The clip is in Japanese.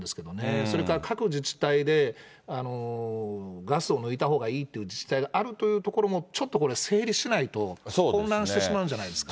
それから各自治体で、ガスを抜いたほうがいいという自治体があるというところも、ちょっとこれ、整理しないと、混乱してしまうんじゃないですかね。